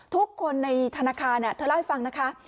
ทุกคนในธนาคารเธอเล่าให้ฟังนะคะ